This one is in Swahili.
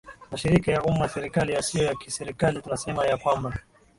mashirika ya umma serikali yasio ya kiserikali tunasema ya kwamba